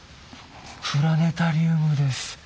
プラネタリウムです。